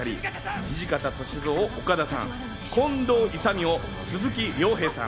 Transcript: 土方歳三を岡田さん、近藤勇を鈴木亮平さん。